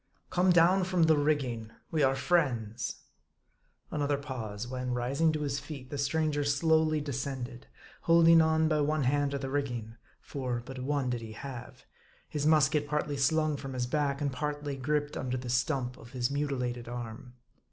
" Come down from the rigging. We are friends." Another pause ; when, rising to his feet, the stranger slowly descended, holding on by one hand to the rigging, for but one did he have ; his musket partly slung from his back, and partly griped under the stump of his mutilated arm.